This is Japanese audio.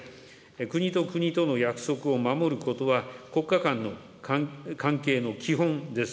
国と国との約束を守ることは、国家観の関係の基本です。